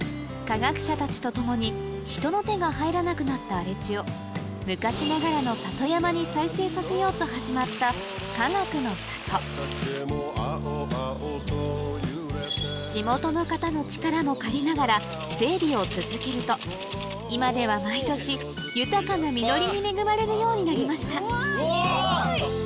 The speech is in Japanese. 科学者たちと共に人の手が入らなくなった荒れ地をさせようと始まったかがくの里も借りながら整備を続けると今では毎年豊かな実りに恵まれるようになりました